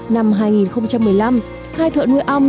năm hai nghìn một mươi năm hai thợ nuôi ong